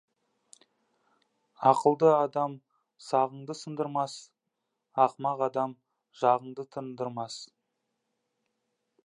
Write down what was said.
Ақылды адам сағыңды сындырмас, ақымақ адам жағыңды тындырмас.